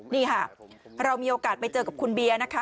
นี่ค่ะเรามีโอกาสไปเจอกับคุณเบียร์นะคะ